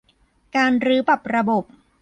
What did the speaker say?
การรื้อปรับระบบ